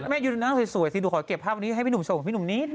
ไม่เอาอยู่นั่งสวยสิดูขอเก็บภาพนี้ให้พี่หนุ่มชมกับพี่หนุ่มนิด